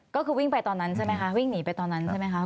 ก็คือวิ่งไปตอนนั้นใช่ไหมคะวิ่งหนีไปตอนนั้นใช่ไหมคะ